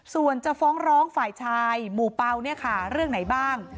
ส่วนจะฟ้องร้องฝ่ายชายหมู่เป้าเรื่องไหนบ้าง